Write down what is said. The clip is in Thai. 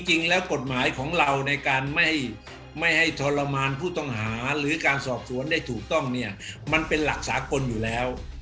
จริงแล้วกฎหมายของเราในการไม่ให้ทรมานผู้ต้องหาหรือการสอบสวนได้ถูกต้องเนี่ยมันเป็นหลักสากลอยู่แล้ว